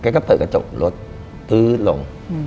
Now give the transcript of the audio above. แกก็เปิดกระจกรถลดลง